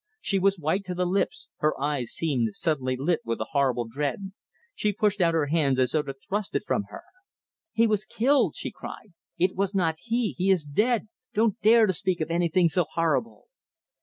She was white to the lips, her eyes seemed suddenly lit with a horrible dread. She pushed out her hands as though to thrust it from her. "He was killed!" she cried. "It was not he! He is dead! Don't dare to speak of anything so horrible!"